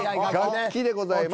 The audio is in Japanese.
「楽器」でございます。